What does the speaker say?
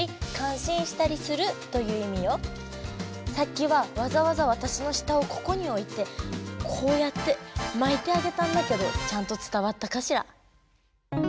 さっきはわざわざ私の舌をここにおいてこうやって巻いてあげたんだけどちゃんと伝わったかしら？